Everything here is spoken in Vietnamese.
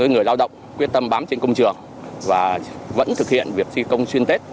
người lao động quyết tâm bám trên công trường và vẫn thực hiện việc thi công xuyên tết